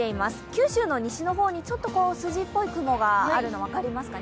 九州の西の方にちょっと筋っぽい雲があるの、分かりますか。